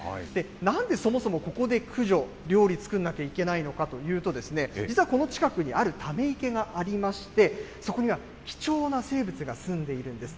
なんでそもそもここで駆除、料理作んなきゃいけないのかというと、実はこの近くにあるため池がありまして、そこには貴重な生物が住んでいるんです。